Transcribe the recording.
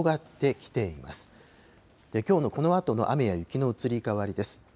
きょうのこのあとの雨や雪の移り変わりです。